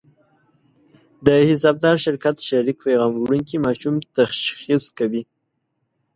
د حسابدار شرکت شریک پیغام وړونکي ماشوم تشخیص کوي.